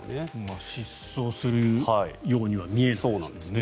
失踪するようには見えないですね。